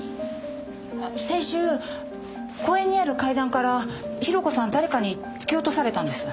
先週公園にある階段から広子さん誰かに突き落とされたんです。